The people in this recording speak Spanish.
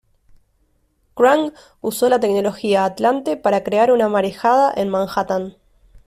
Krang usó la tecnología atlante para crear una marejada en Manhattan.